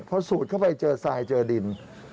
พอสูดเข้าไปเจอทรายเจอดิน